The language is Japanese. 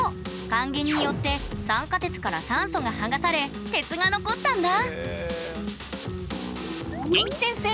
還元によって酸化鉄から酸素が剥がされ鉄が残ったんだ元気先生！